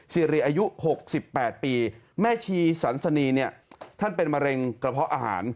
สิริอายุ๖๘ปีแม่ชีสันสนีเนี่ยท่านเป็นมะเร็งกระเพาะอาหาร